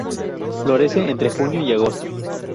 Florece entre junio y agosto.